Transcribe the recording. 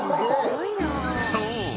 ［そう！